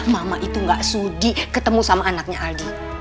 mama itu gak sudi ketemu sama anaknya aldi